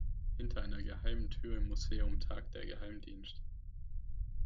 Hinter einer geheimen Tür im Museum tagt der Geheimdienst.